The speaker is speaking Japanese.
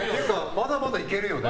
まだまだいけるよね。